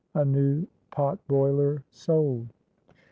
—A NEW POT BOILER SOLD.